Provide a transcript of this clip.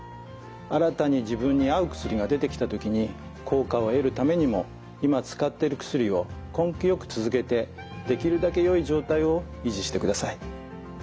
新たに自分に合う薬が出てきた時に効果を得るためにも今使っている薬を根気よく続けてできるだけよい状態を維持してください。